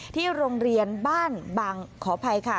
ที่โรงเรียนบ้านบางขออภัยค่ะ